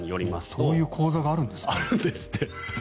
そういう講座があるんですね。